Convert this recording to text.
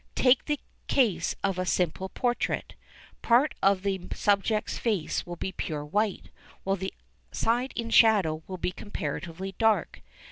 Take the case of a simple portrait. Part of the subject's face will be pure white, while the side in shadow will be comparatively dark.